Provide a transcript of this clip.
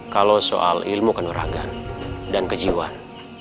kalau soal ilmu kenuragan dan kejiwan